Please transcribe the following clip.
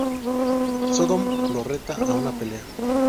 Sodom lo reta a una pelea.